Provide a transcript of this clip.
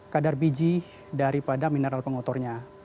kadar biji daripada mineral pengotornya